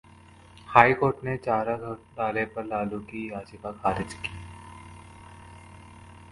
high court ने चारा घोटाले पर लालू की याचिका खारिज की